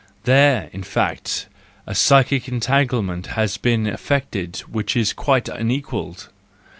—There, in fact, a psychic entanglement has been effected which is quite unequalled!